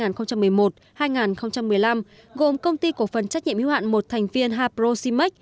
gồm công ty cổ phân trách nhiệm hưu hạn một thành viên haproximac